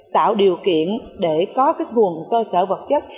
tạo điều kiện để có nguồn cơ sở vật chất